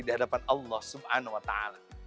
dihadapan allah subhanahu wa ta ala